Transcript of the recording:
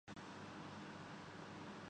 ذرامیری cycle پکڑنا